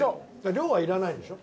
量はいらないんでしょ？